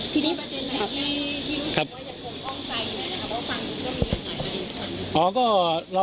ทีนี้ประเด็นไหนที่รู้สึกว่าอย่างผมอ้องใจไหนนะครับ